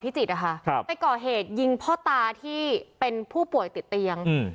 จิตนะคะครับไปก่อเหตุยิงพ่อตาที่เป็นผู้ป่วยติดเตียงอืม